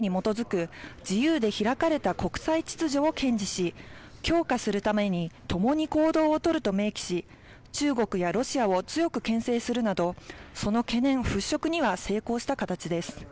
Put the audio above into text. ただ、共同声明では、法の支配に基づく自由で開かれた国際秩序を堅持し、強化するために共に行動を取ると明記し、中国やロシアを強くけん制するなど、その懸念払拭には成功した形です。